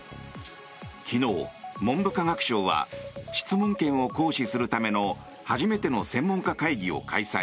昨日、文部科学省は質問権を行使するための初めての専門家会議を開催。